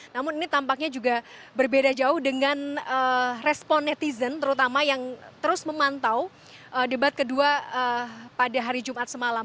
namun ini tampaknya juga berbeda jauh dengan respon netizen terutama yang terus memantau debat kedua pada hari jumat semalam